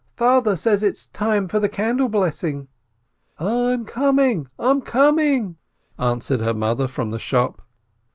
Father says it's time for candle blessing. "I'm coming, I'm coming," answered her mother from the shop.